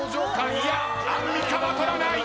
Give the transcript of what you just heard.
いやアンミカは取らない！